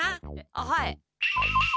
あっはい。